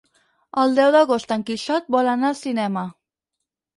El deu d'agost en Quixot vol anar al cinema.